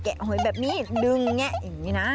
แกะหอยแบบนี้ดึงเนี่ยอย่างนี้นะ